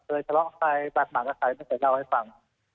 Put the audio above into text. ทะเลาะใครบาดหมากกับใครไม่เคยเล่าให้ฟัง